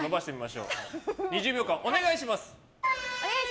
２０秒間、お願いします。